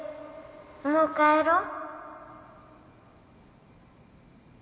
もう帰ろう